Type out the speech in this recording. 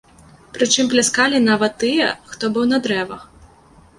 Прычым пляскалі нават тыя, хто быў на дрэвах.